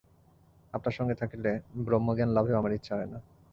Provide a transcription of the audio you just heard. আপনার সঙ্গে থাকিলে ব্রহ্মজ্ঞানলাভেও আমার ইচ্ছা হয় না।